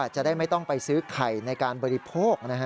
จะได้ไม่ต้องไปซื้อไข่ในการบริโภคนะฮะ